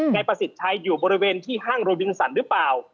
ประสิทธิ์ชัยอยู่บริเวณที่ห้างโรบินสันหรือเปล่า